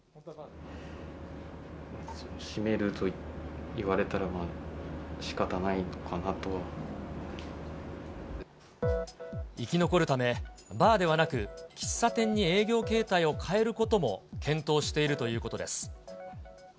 閉めると言われたら、まあ、生き残るため、バーではなく、喫茶店に営業形態を変えることも検討しているということです。